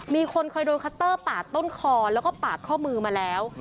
มีคนเคยโดนคัตเตอร์ปาดต้นคอแล้วก็ปาดข้อมือมาแล้ว